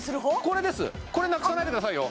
これですこれなくさないでくださいよ